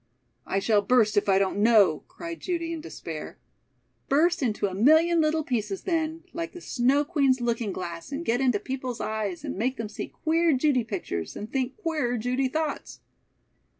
"I shall burst if I don't know," cried Judy in despair. "Burst into a million little pieces then, like the Snow Queen's looking glass and get into people's eyes and make them see queer Judy pictures and think queerer Judy thoughts."